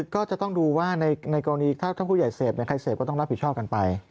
ก็จะต้องดูว่าในกรณีถ้าท่านผู้ใหญ่เสพใครเสพก็ต้องรับผิดชอบกันไป